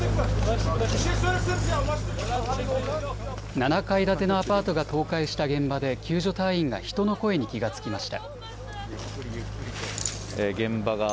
７階建てのアパートが倒壊した現場で救助隊員が人の声に気が付きました。